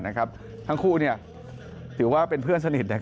ทั้งคู่ถือว่าเป็นเพื่อนสนิท